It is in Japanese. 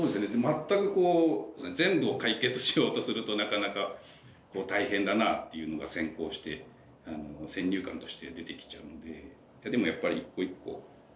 全くこう全部を解決しようとするとなかなか大変だなというのが先行して先入観として出てきちゃうので。